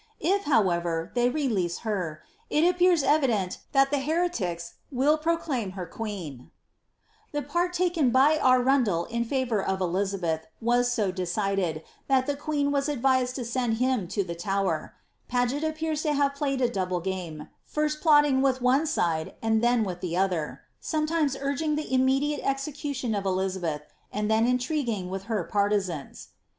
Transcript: If, however, they re Jease her, h appears evident that the heretics will proclaim her queen." ' Renaud't Letters to the Em^ioi. BLIIABBTR. 77 The part taken by Arnndel, in favour of Elirabeth, wan to decidtd, Au the qoeen was advised to send him to the Tower. Paget appeara ID have p^yed • double game, first plotting with one side and then with the other ; yometimea urging the iininediale execution of Elizabeth, and ikn intriguing with her partisans.